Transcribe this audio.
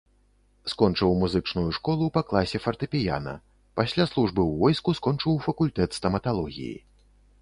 Скончыў музычную школу па класе фартэпіяна, пасля службы ў войску скончыў факультэт стаматалогіі.